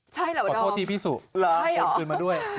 ใช่เหรอกลบโทษยีพี่สุหรือโอนตาเรดมาด้วยใช่เหรอ